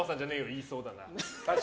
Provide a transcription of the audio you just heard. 言いそうだな。